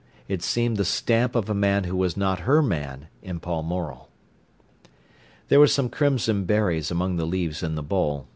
It seemed the stamp of a man who was not her man in Paul Morel. There were some crimson berries among the leaves in the bowl.